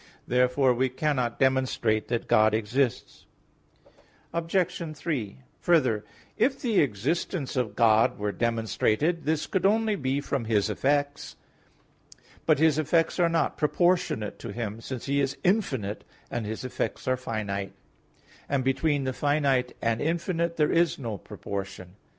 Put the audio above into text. i, 4). Therefore we cannot demonstrate that God exists. Obj. 3: Further, if the existence of God were demonstrated, this could only be from His effects. But His effects are not proportionate to Him, since He is infinite and His effects are finite; and between the finite and infinite there is no proportion.